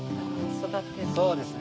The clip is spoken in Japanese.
そうですね。